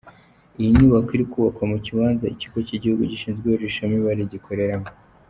Iyi nyubako iri kubakwa mu kibanza Ikigo cy’igihugu gishinzwe ibarurishamibare gikoreramo.